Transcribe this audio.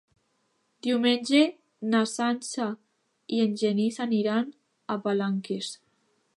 Diumenge na Sança i en Genís aniran a Palanques.